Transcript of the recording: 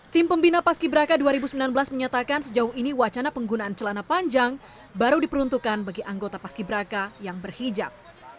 tim pembina paski braka dua ribu sembilan belas menyatakan sejauh ini wacana penggunaan celana panjang baru diperuntukkan bagi anggota paski braka yang berhijab